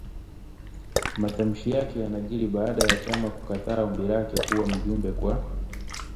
Matamshi yake yanajiri baada ya chama kukataa ombi lake kuwa mjumbe kwa